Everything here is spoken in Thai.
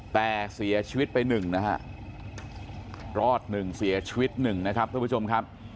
แต่เสียชีวิตไปหนึ่งนะฮะรอดหนึ่งเสียชีวิตหนึ่งนะครับท่านผู้ชมครับ